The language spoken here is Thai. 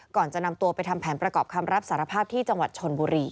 ก่อนจะนำตัวไปทำแผนประกอบคำรับสารภาพที่จังหวัดชนบุรี